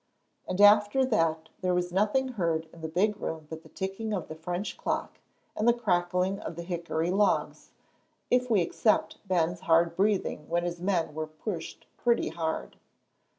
And after that there was nothing heard in the big room but the ticking of the French clock, and the crackling of the hickory logs, if we except Ben's hard breathing when his men were pushed pretty hard.